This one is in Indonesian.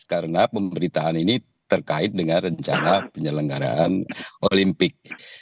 karena pemberitaan ini terkait dengan rencana penyelenggaraan olimpik